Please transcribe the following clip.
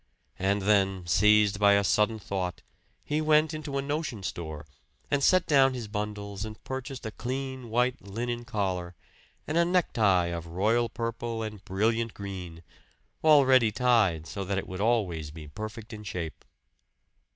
And then, seized by a sudden thought, he went into a notion store and set down his bundles and purchased a clean, white linen collar, and a necktie of royal purple and brilliant green already tied, so that it would always be perfect in shape.